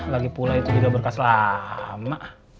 lagipula itu udah berkas lama